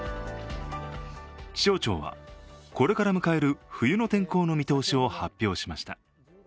気象庁はこれから迎える冬の天候の見通しを発表しました。